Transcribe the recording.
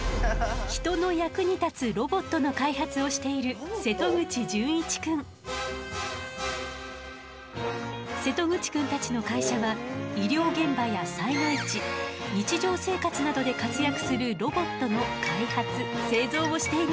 人の役に立つロボットの開発をしている瀬戸口くんたちの会社は医療現場や災害地日常生活などで活躍するロボットの開発・製造をしているの。